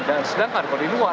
dan sedangkan kalau di luar